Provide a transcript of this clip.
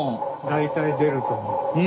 大体出ると思う。